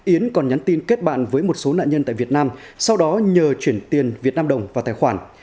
yến còn nhắn tin kết bạn với một số nạn nhân tại việt nam sau đó nhờ chuyển tiền việt nam đồng vào tài khoản